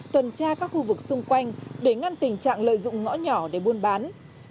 tuần tra các khu vực xung quanh để ngăn tình trạng lợi dụng ngõ nhỏ để buôn bán